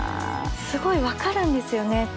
すごい分かるんですよね。